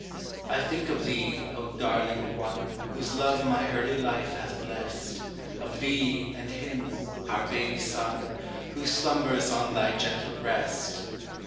I think of thee, O darling one, Whose love my early life hath blest Of thee and him our baby son Who slumbers on thy gentle breast.